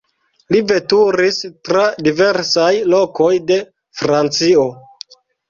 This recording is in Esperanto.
Li veturis tra diversaj lokoj de Francio.